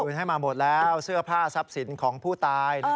ให้มาหมดแล้วเสื้อผ้าทรัพย์สินของผู้ตาย